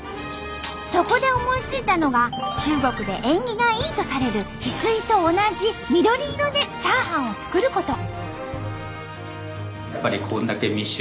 そこで思いついたのが中国で縁起がいいとされる翡翠と同じ緑色でチャーハンを作ること。